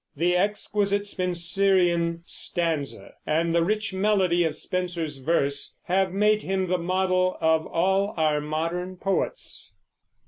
The exquisite Spenserian stanza and the rich melody of Spenser's verse have made him the model of all our modern poets.